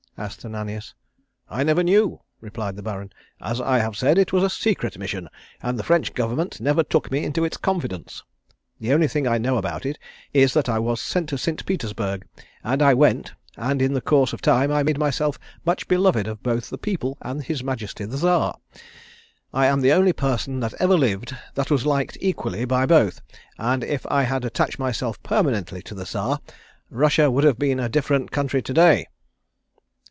asked Ananias. "I never knew," replied the Baron. "As I have said, it was a secret mission, and the French Government never took me into its confidence. The only thing I know about it is that I was sent to St. Petersburg, and I went, and in the course of time I made myself much beloved of both the people and his Majesty the Czar. I am the only person that ever lived that was liked equally by both, and if I had attached myself permanently to the Czar, Russia would have been a different country to day."